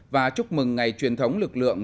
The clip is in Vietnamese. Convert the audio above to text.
và chúc mừng ngày truyền thống lực lượng